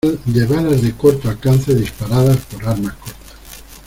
de balas de corto alcance, disparadas por armas cortas.